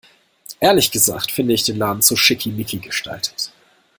Ehrlich gesagt finde ich den Laden zu schickimicki gestaltet.